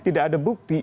tidak ada bukti